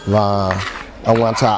và các đồng chí cán bộ đảng viên